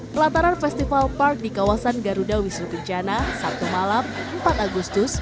pelataran festival park di kawasan garuda wisnu kencana sabtu malam empat agustus